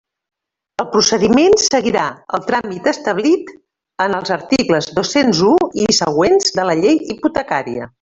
El procediment seguirà el tràmit establit en els articles dos-cents u i següents de la Llei Hipotecària.